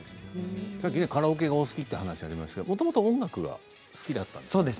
さっきカラオケがお好きという話でしたが、もともと音楽が好きだったんですか？